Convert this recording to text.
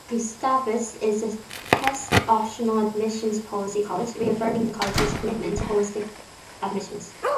Gustavus is a test-optional admissions policy college, reaffirming the College's commitment to holistic admissions.